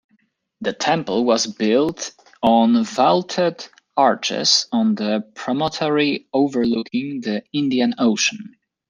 The temple was built on vaulted arches on the promontory overlooking the Indian ocean.